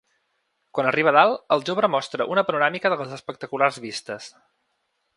Quan arriba a dalt, el jove mostra una panoràmica de les espectaculars vistes.